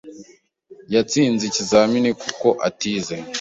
Yatsinze ikizamini kuko atize.